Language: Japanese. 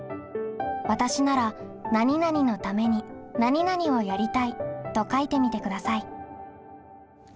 わたしなら何々のために何々をやりたいと書いてみてください。